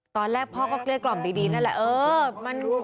ตอนแรกพ่อก็เรียกรอบดีแน่แหละ